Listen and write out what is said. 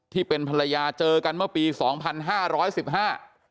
ที่เป็นภรรยาเจอกันเมื่อปีสองพันห้าร้อยสิบห้า